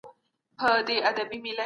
روغتيائي ټولنپوهنه ډېره ګټوره ده.